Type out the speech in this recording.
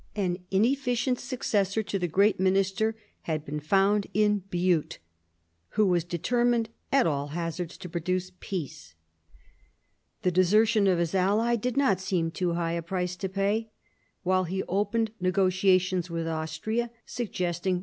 An inefficient successor to the great minister had been found in Bute, who was de termined at all hazards to produce peace. The desertion of his ally did not seem to him too high a price to pay. While he opened negotiations with Austria, suggesting